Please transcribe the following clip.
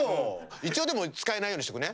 一応でも使えないようにしとくね。